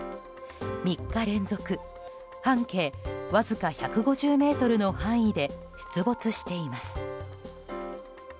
３日連続半径わずか１５０ｍの範囲で出没しています。